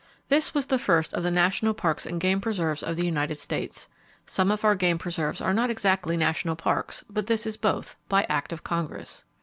—This was the first of the national parks and game preserves of the United States. Some of our game preserves are not exactly national parks, but this is both, by Act of Congress.